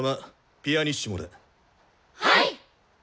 はい！